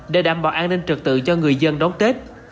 để đảm bảo an ninh trực tự cho người dân đón tết